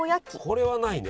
これはないね。